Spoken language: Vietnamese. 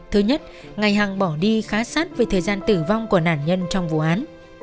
thứ nhất ngày hàng bỏ đi khá sát về thời gian tử vong của nạn nhân trong vụ án